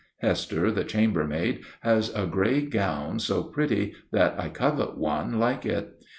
Hester, the chambermaid, has a gray gown so pretty that I covet one like it.